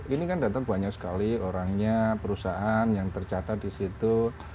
ini kan datang banyak sekali orangnya perusahaan yang tercatat di situ